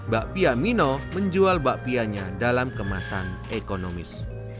bakpia mino menjual bakpianya dalam kemasan ekonomis